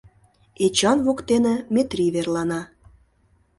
Эчан воктене Метрий верлана.